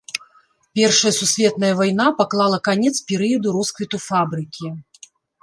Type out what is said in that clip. Першая сусветная вайна паклала канец перыяду росквіту фабрыкі.